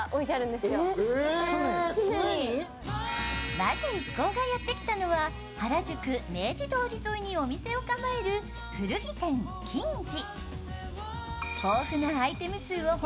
まず一行がやってきたのは原宿明治通り沿いにお店を構える古着店ＫＩＮＪＩ。